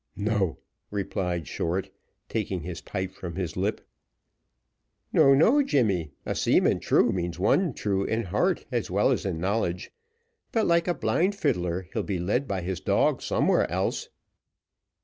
"No," replied Short, taking his pipe from his lip. "No, no, Jemmy, a seaman true means one true in heart as well as in knowledge; but, like a blind fiddler, he'll be led by his dog somewhere else."